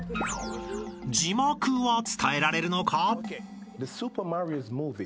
［「字幕」は伝えられるのか？］